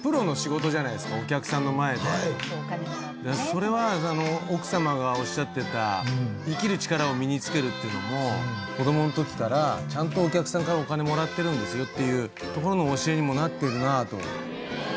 それは奥様がおっしゃってた生きる力を身につけるっていうのも子供の時からちゃんとお客さんからお金もらってるんですよっていうところの教えにもなっているなと。